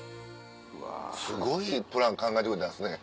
すごいプラン考えてくれたんですね。